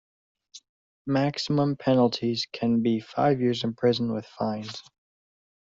Maximum penalties can be five years in prison with fines.